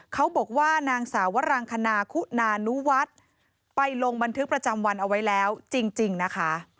เขาบอกว่านางสาวรังคณาคุณานุวัฒน์ไปลงบันทึกประจำวันเอาไว้แล้วจริงนะคะ